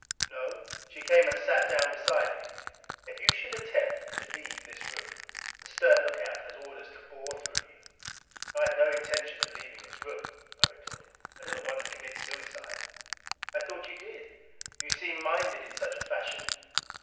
"No." She came and sat down beside me. "If you should attempt to leave this room, the stern lookout has orders to bore you through." "I have no intention of leaving this room," I retorted. "I do not want to commit suicide." "I thought you did. You seem minded in such a fashion.